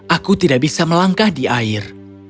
aku tidak bisa melangkah di air